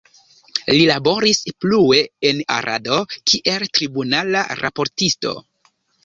Li laboris plue en Arado kiel tribunala raportisto.